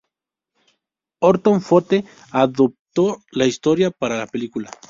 Horton Foote adaptó la historia para la película.